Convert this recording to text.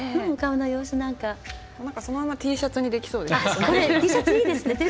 そのままＴシャツにできそうですね。